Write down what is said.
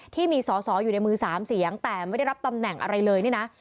ที่มีสอสออยู่ในมือ๓เสียงแต่ไม่ได้รับตำแหน่งอะไรเลยนี่นะ